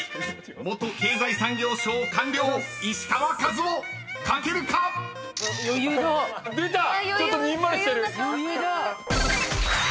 ［元経済産業省官僚石川和男書けるか⁉］出た！